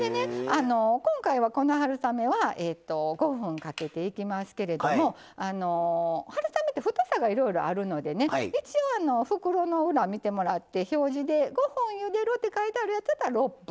今回はこの春雨は５分かけていきますけれども春雨って太さがいろいろあるので一応袋の裏見てもらって表示で５分ゆでるって書いてあるやつだったら６分。